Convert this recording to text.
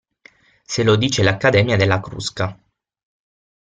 Se lo dice l'Accademia della Crusca.